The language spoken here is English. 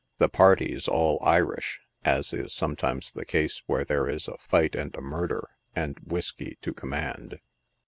The par ties all Irish — as is sometimes the case where there is a fight and a murder, and whiskey to command.